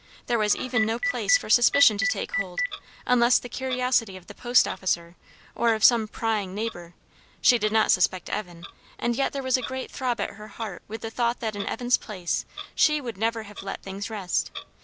There was even no place for suspicion to take hold, unless the curiosity of the post office, or of some prying neighbour; she did not suspect Evan; and yet there was a great throb at her heart with the thought that in Evan's place she would never have let things rest.